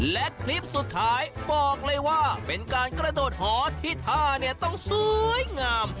และคลิปสุดท้ายบอกเลยว่าเป็นการกระโดดหอที่ท่าเนี่ยต้องสวยงาม